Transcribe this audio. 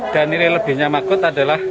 dan ini lebihnya magot adalah